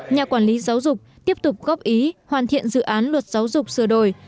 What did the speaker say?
nhà quản lý giáo dục tiếp tục góp ý hoàn thiện dự án luật giáo dục sửa đổi